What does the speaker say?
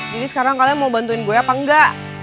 jadi sekarang kalian mau bantuin gue apa enggak